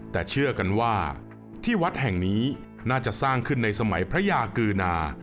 แต่เชื่อกันว่าที่วัดแห่งนี้น่าจะสร้างขึ้นในสมัยพระยากือนา